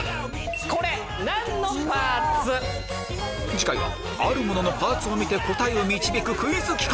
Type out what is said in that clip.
次回はあるもののパーツを見て答えを導くクイズ企画！